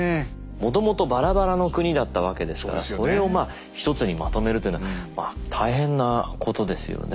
もともとバラバラの国だったわけですからそれを一つにまとめるというのは大変なことですよね。